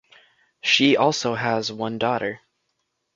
She also has one daughter.